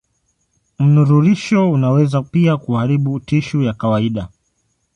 Mnururisho unaweza pia kuharibu tishu ya kawaida.